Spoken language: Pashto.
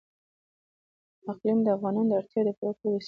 اقلیم د افغانانو د اړتیاوو د پوره کولو وسیله ده.